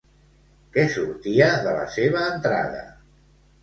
Que sortia de la seva entrada?